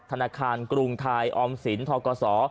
ธนาคารกรุงไทยออมสินทกศ